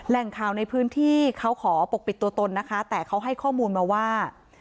แหล่งข่าวในพื้นที่เขาขอปกปิดตัวตนนะคะแต่เขาให้ข้อมูลมาว่า